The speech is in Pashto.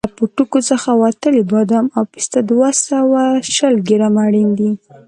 له پوټکي څخه وتلي بادام او پسته دوه سوه شل ګرامه اړین دي.